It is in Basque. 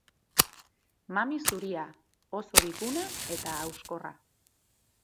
Mami zuria, oso biguna eta hauskorra.